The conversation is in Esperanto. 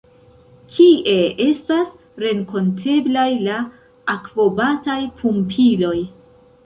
Kie estas renkonteblaj la akvobataj pumpiloj?